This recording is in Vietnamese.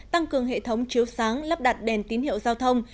tăng cường hệ thống chiếu sáng lắp đặt đèn tín hiệu giao thông